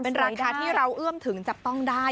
เป็นราคาที่เราเอื้อมถึงจับต้องได้